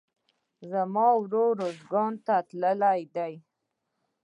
زما ورور روزګان ته تللى دئ.